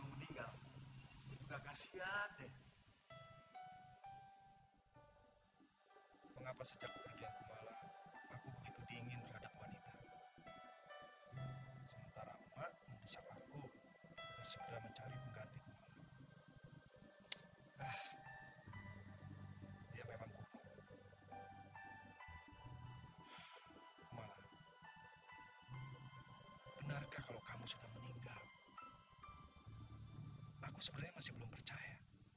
ma benarkah kalau kamu sudah meninggal aku sebenarnya masih belum percaya